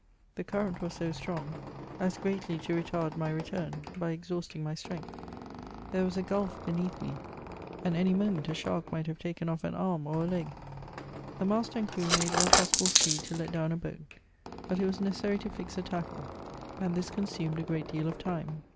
The current was so strong as greatly to retard my return, hy ex hausting my strength. There was a gulph heneath me, and any moment a shark might have taken off an arm or a leg. The mas ter and crew made all possible speed to let down ^a boat, hut it was necessary to fix a tackle, and this consumed a great deal of time.